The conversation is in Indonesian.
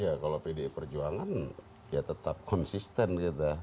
ya kalau pdi perjuangan ya tetap konsisten kita